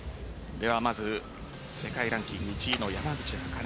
では、まず世界ランキング１位の山口茜。